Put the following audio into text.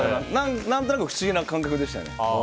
何となく不思議な感覚でしたね。